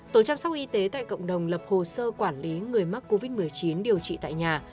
tổ chăm sóc y tế tại cộng đồng lập hồ sơ quản lý người mắc covid một mươi chín điều trị tại nhà